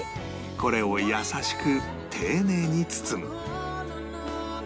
これを優しく丁寧に包む